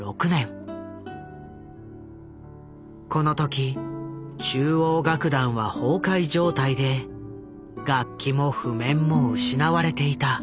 この時中央楽団は崩壊状態で楽器も譜面も失われていた。